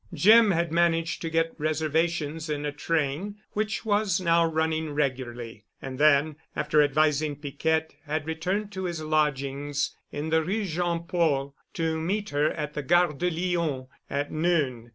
Jim had managed to get reservations in a train which was now running regularly, and then, after advising Piquette, had returned to his lodgings in the Rue Jean Paul, meeting her at the Gare de Lyon at noon.